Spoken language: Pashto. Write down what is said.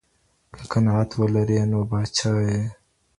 که قناعت ولرې نو پاچا یې.